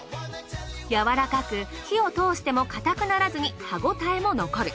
柔らかく火を通しても硬くならずに歯ごたえも残る。